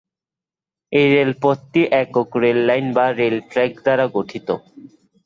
এই রেলপথটি একক রেললাইন বা রেল ট্র্যাক দ্বার গঠিত।